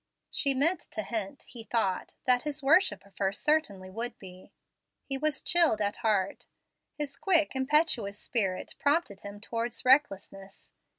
She meant to hint, he thought, that his worship of her certainly would be. He was chilled at heart. His quick, impetuous spirit prompted him towards recklessness.